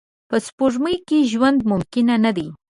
په سپوږمۍ کې ژوند ممکن نه دی